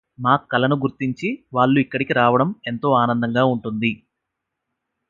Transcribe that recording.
మా కళను గుర్తించి వాళ్ళు ఇక్కడికి రావడం ఎంతో ఆనందంగా ఉంటుంది.